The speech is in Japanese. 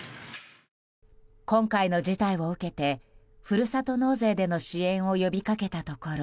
今回の事態を受けてふるさと納税での支援を呼び掛けたところ